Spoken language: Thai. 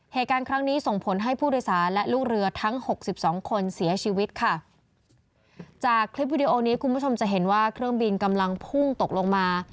เหตุการณ์ครั้งนี้ส่งผลให้ผู้โดยสารและลูกเรือทั้งหกสิบสองคนเสียชีวิตค่ะจากคลิปวิดีโอนี้คุณผู้ชมจะเห็นว่าเครื่องบินกำลังพุ่งตกลงมา